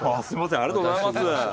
ありがとうございます。